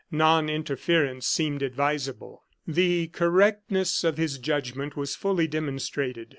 Non interference seemed advisable. The correctness of his judgment was fully demonstrated.